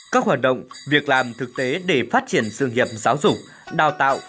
các hoạt động việc làm thực tế để phát triển sự nghiệp giáo dục đào tạo